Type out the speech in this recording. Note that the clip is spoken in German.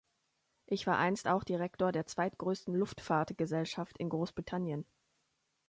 Ich war einst auch Direktor der zweitgrößten Luftfahrtgesellschaft in Großbritannien.